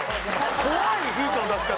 怖い！ヒントの出し方。